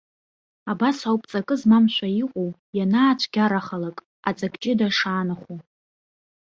Абас ауп ҵакы змамшәа иҟоу, ианаацәгьарахалак, аҵак ҷыда шаанахәо.